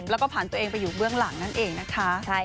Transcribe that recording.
แล้วก็ผ่านตัวเองไปอยู่เบื้องหลังนั่นเองนะคะ